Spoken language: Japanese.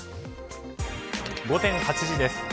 午前８時です。